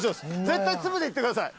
絶対粒でいってください。